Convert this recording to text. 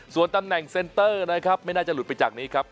ส่วนตำแหน่งเซ็นเตอร์นะครับไม่น่าจะหลุดไปจากนี้ครับ